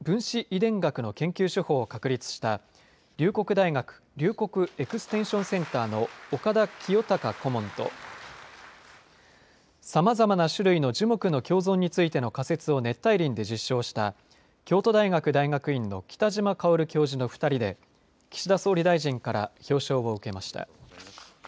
遺伝学の研究手法を確立した龍谷大学龍谷エクステンションセンターの岡田清孝顧問とさまざまな種類の樹木の共存についての仮説を熱帯林で実証した京都大学大学院の北島薫教授の２人で岸田総理大臣から表彰を受けました。